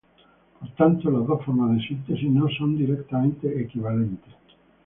Por tanto, las dos formas de síntesis no son directamente equivalentes.